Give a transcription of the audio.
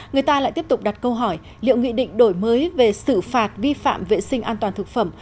người ta lại tiếp tục đặt câu hỏi liệu nghị định đổi mới về xử phạt vi phạm vệ sinh an toàn thực phẩm